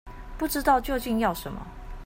不知道究竟要什麼